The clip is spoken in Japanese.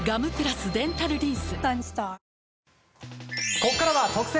ここからは特選！！